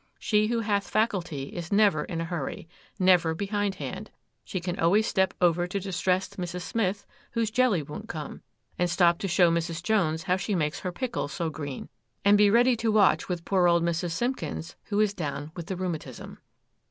She who hath faculty is never in a hurry, never behindhand. She can always step over to distressed Mrs. Smith, whose jelly won't come,—and stop to show Mrs. Jones how she makes her pickles so green,—and be ready to watch with poor old Mrs. Simpkins, who is down with the rheumatism.